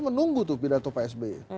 menunggu tuh pidato pak sby